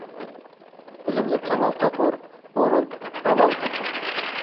بىلىملىك كامال تاپۇر، ھۇرۇن زاۋال تاپۇر.